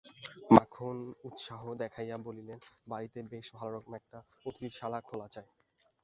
মাখন উৎসাহ দেখাইয়া বলিলেন, বাড়িতে বেশ ভালোরকম একটা অতিথিশালা খোলা চাই।